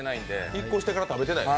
引っ越してから食べてない。